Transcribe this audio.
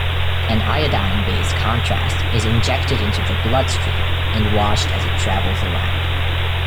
An iodine-based contrast is injected into the bloodstream and watched as it travels around.